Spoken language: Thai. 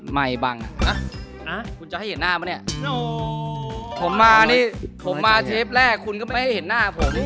ไม่ได้เห็นหน้าผม